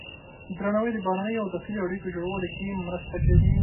درناوی د بهرنیو او داخلي اړیکو جوړولو کې مرسته کوي.